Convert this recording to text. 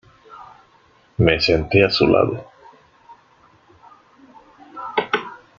Me senté a su lado.